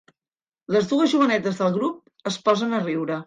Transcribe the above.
Les dues jovenetes del grup es posen a riure.